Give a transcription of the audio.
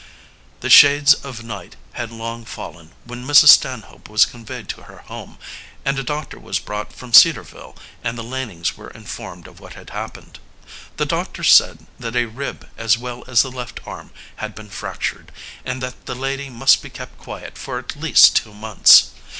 The shades of night had long fallen when Mrs. Stanhope was conveyed to her home, and a doctor was brought from Cedarville and the Lanings were informed of what had happened. The doctor said that a rib as well as the left arm had been fractured, and that the lady must be kept quiet for at least two months.